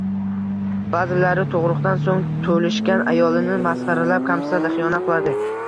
Ba`zilari tug`uruqdan so`ng to`lishgan ayolini masxaralab kamsitadi, xiyonat qiladi